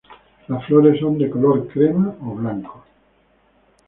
Las flores son de color crema o blanco.